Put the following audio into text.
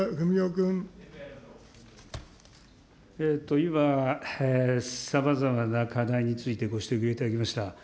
今、さまざまな課題についてご指摘をいただきました。